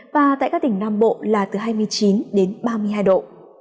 và tại các tỉnh nam bộ là từ hai mươi chín đến ba mươi hai độ